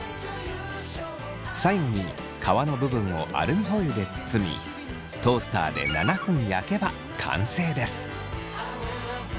最後に皮の部分をアルミホイルで包みトースターで７分焼けば完成です。